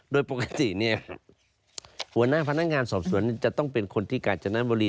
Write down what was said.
โดยปกติเนี่ยหัวหน้าพนักงานสอบสวนจะต้องเป็นคนที่กาญจนบุรี